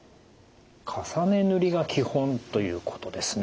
重ね塗りが基本ということですね。